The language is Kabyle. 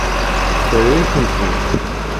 Terra-yakent-ten-id?